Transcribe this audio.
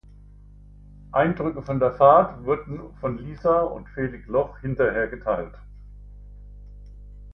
Eindrücke von der Fahrt wurden von Lisa und Felix Loch hinterher geteilt.